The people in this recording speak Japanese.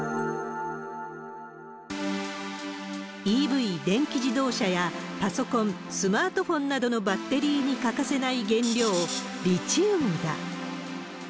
ＥＶ・電気自動車やパソコン、スマートフォンなどのバッテリーに欠かせない原料、リチウムだ。